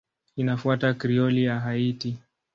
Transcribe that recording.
Inafuata Krioli ya Haiti.